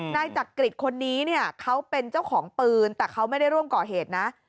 นายจักริตคนนี้เนี่ยเขาเป็นเจ้าของปืนแต่เขาไม่ได้ร่วมก่อเหตุนะ